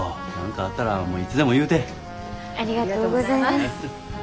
ありがとうございます。